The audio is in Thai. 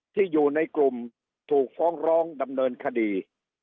ที่อยู่ในกลุ่มถูกฟ้องร้องดำเนินคดี